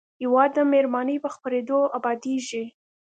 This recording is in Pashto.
هېواد د مهربانۍ په خپرېدو ابادېږي.